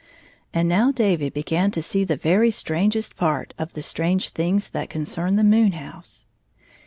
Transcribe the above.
And now David began to see the very strangest part of the strange things that concern the moon house.